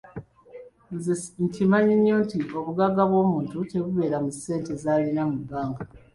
Nze nkimanyi nnyo nti obugagga bw’omuntu tebubeera mu ssente z’alina mu bbanka.